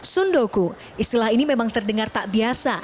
sundoku istilah ini memang terdengar tak biasa